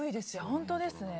本当ですね。